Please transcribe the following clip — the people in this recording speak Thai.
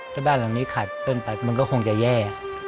ถ้าบ้านหลังนี้ขาดต้นไปมันก็คงจะแย่